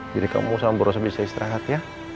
jadi kamu sama bu rosa bisa istirahat ya